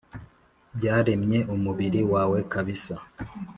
byaremye umubiri wawe kabisa